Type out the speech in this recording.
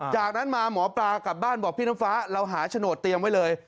จากนั้นมาหมอปลากลับบ้านบอกพี่น้ำฟ้าเราหาโฉนดเตรียมไว้เลย